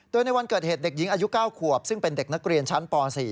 โดยในวันเกิดเหตุเด็กหญิงอายุ๙ขวบซึ่งเป็นเด็กนักเรียนชั้นป๔